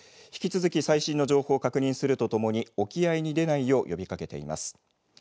引き続き最新の情報を確認するとともに沖合に出ないよう呼びかけています。